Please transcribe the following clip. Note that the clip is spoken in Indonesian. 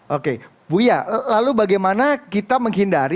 oke bu ya lalu bagaimana kita menghindari